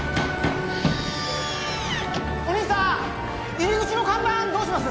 ・お兄さん入り口の看板どうします？